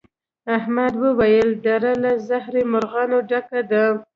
احمد وويل: دره له زهري مرغانو ډکه ده.